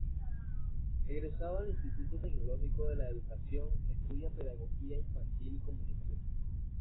Egresado del Instituto Tecnológico de la Educación, estudia Pedagogía Infantil y Comunicación.